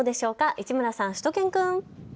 市村さん、しゅと犬くん。